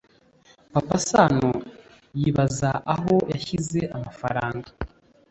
Papa sano yibaza aho yashyize amafaranga